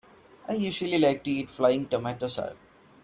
I usually like to eat flying tomato salad.